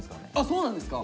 そうなんですか？